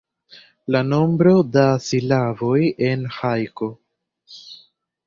La nombro da silaboj en hajko.